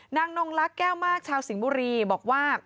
นางนงลักแก้วมากชาวสิงบุรีบอกว่า